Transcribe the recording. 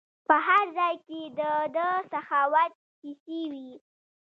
په هر ځای کې د ده سخاوت کیسې وي.